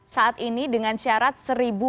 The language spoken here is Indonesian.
saat ini dengan syarat seribu